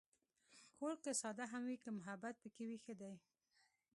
کور که ساده هم وي، که محبت پکې وي، ښه دی.